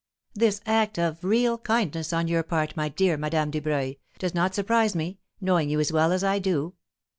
"This act of real kindness on your part, my dear Madame Dubreuil, does not surprise me, knowing you as well as I do."